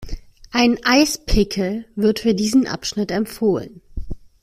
Ein Eispickel wird für diesen Abschnitt empfohlen.